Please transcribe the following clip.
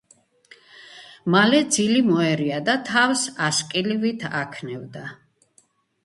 მალე ძილი მოერია და თავს ასკილივით აქნევდა.